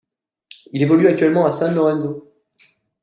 Il évolue actuellement à San Lorenzo.